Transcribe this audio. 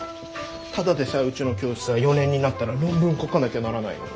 ただでさえうちの教室は４年になったら論文書かなきゃならないのに。